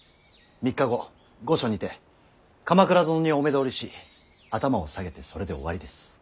３日後御所にて鎌倉殿にお目通りし頭を下げてそれで終わりです。